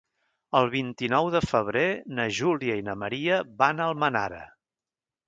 El vint-i-nou de febrer na Júlia i na Maria van a Almenara.